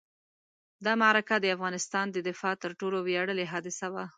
دا معرکه د افغانستان د دفاع تر ټولو ویاړلې حادثه وه.